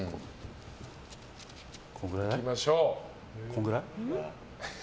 こんくらい？